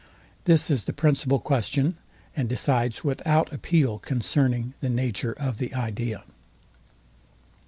This is the principal question, and decides without appeal concerning the nature of the idea.